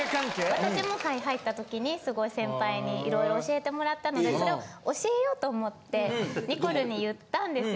・私も入った時にすごい先輩に色々教えてもらったのでそれを教えようと思ってニコルに言ったんですよ。